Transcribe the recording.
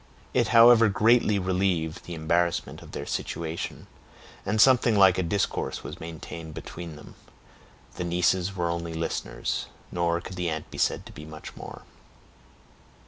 It however greatly relieved the embarrassment of their situation, and something like a discourse was maintained between them; the nieces were only listeners, nor could the aunt be said to be much more.